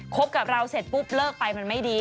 กับเราเสร็จปุ๊บเลิกไปมันไม่ดี